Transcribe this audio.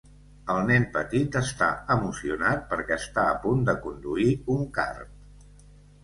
El nen petit està emocionat perquè està a punt de conduir un kart.